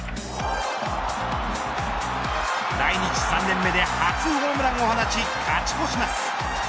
来日３年目で初ホームランを放ち勝ち越します。